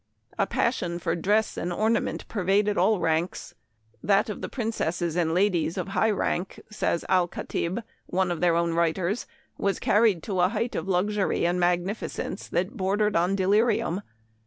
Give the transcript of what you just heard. A passion for dress and ornament pervaded all ranks. That of the prin cesses and ladies of high rank, says Al Kattib, one of their own writers, was carried to a height of luxury and magnificence that bordered on de lirium.